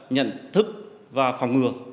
nhận thức và phòng ngừa